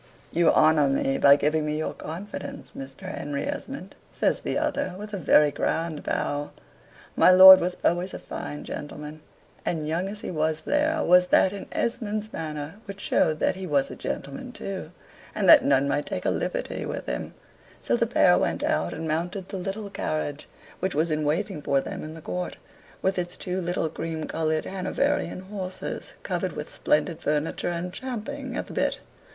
"You honor me by giving me your confidence, Mr. Henry Esmond," says the other, with a very grand bow. My lord was always a fine gentleman, and young as he was there was that in Esmond's manner which showed that he was a gentleman too, and that none might take a liberty with him so the pair went out, and mounted the little carriage, which was in waiting for them in the court, with its two little cream colored Hanoverian horses covered with splendid furniture and champing at the bit.